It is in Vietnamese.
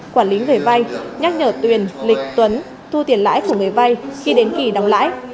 quản lý người vai nhắc nhở tuyền lịch tuấn thu tiền lãi của người vay khi đến kỳ đóng lãi